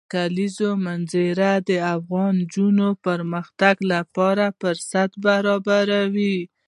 د کلیزو منظره د افغان نجونو د پرمختګ لپاره فرصتونه برابروي.